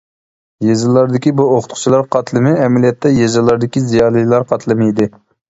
يېزىلاردىكى بۇ ئوقۇتقۇچىلار قاتلىمى ئەمەلىيەتتە يېزىلاردىكى زىيالىيلار قاتلىمى ئىدى.